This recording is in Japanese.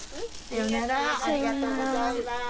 ありがとうございます。